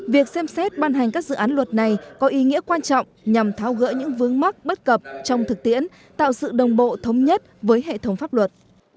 việc xem xét ban hành các dự án luật này có ý nghĩa quan trọng nhằm tháo gỡ những vướng mắc bất cập trong thực tiễn tạo sự đồng bộ thống nhất với hệ thống pháp luật